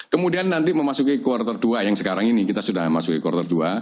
kemudian nanti memasuki quarter dua yang sekarang ini kita sudah masuk ke quarter dua